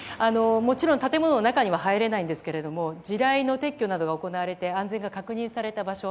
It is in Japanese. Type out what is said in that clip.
もちろん建物の中には入れないんですが地雷の撤去などが行われて安全が確認された場所